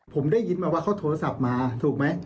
ผมได้ยินมาว่าเขาโทรศัพท์มาถูกไหม